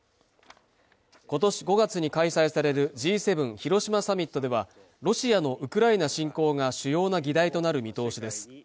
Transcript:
今年５月に開催されるＧ７広島サミットでは、ロシアのウクライナ侵攻が主要な議題となる見通しです。